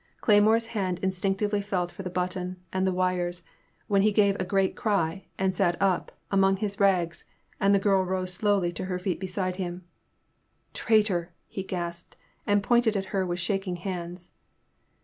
Cley more's hand instinctively felt for the button and the wires, then he gave a great cry and sat up among his rags, and the girl rose slowly to her feet beside him. Traitor! " he gasped, and pointed at her with shaking hands.